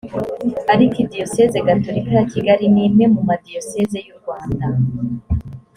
arikidiyosezi gatolika ya kigali ni imwe mu madiyosezi y’u rwanda